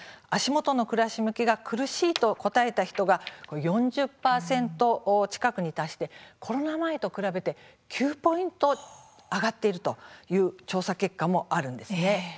足元の暮らし向きが苦しいと答えた人が４０％近くに達しコロナ前と比べて９ポイント上がっているという調査結果もあるんです。